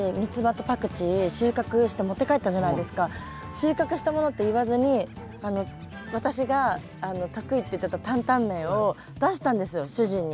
収穫したものって言わずに私が得意って言ってた担々麺を出したんですよ主人に。